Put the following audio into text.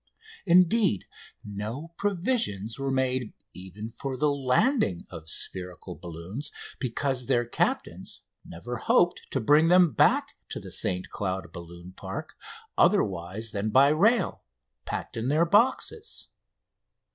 Indeed, no provisions were made even for the landing of spherical balloons, because their captains never hoped to bring them back to the St Cloud balloon park otherwise than by rail, packed in their boxes.